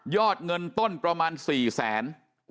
ยอดเงินต้นประมาณสี่แสน